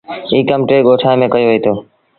ايٚ ڪم ٽي ڳوٺآݩ ميݩ ڪيو وهيٚتو۔